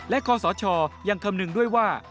และคอสชยังคำนึงด้วยว่า